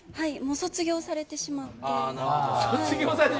もう卒業されてしまって。